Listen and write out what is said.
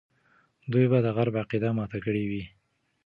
دوی به د غرب عقیده ماته کړې وي.